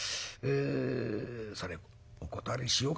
それお断りしようかと思って」。